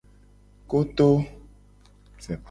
Koto.